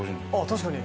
確かに。